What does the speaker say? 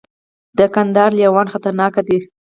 د کندهار لیوان خطرناک دي